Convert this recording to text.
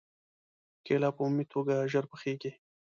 کېله په عمومي توګه ژر پخېږي.